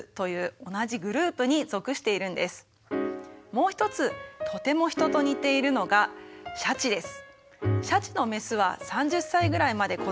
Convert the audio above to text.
もう一つとてもヒトと似ているのがシャチです。